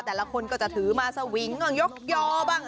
แต่ละคนจะถือมาสะวิงงงยกยอบัง